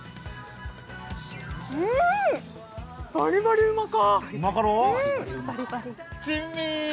うん、バリバリうまか。